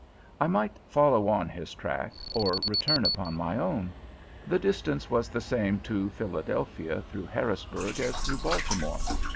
I might follow on his track or return upon my own; the distance was the same to Philadelphia through Harrisburg as through Baltimore.